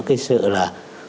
thể hiện cái sự là